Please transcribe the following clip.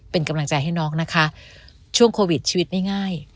เป็นกำลังใจให้น้องนะคะช่วงโควิดชีวิตไม่ง่าย